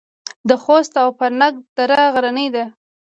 د خوست او فرنګ دره غرنۍ ده